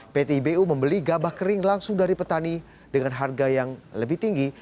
pt ibu membeli gabah kering langsung dari petani dengan harga yang lebih tinggi